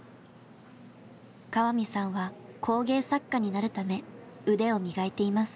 川見さんは工芸作家になるため腕を磨いています。